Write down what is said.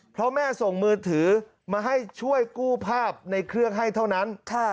เพราะแม่ส่งมือถือมาให้ช่วยกู้ภาพในเครื่องให้เท่านั้น